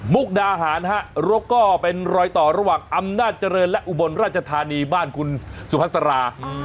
ดาหารฮะรกก็เป็นรอยต่อระหว่างอำนาจเจริญและอุบลราชธานีบ้านคุณสุภาษารา